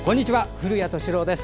古谷敏郎です。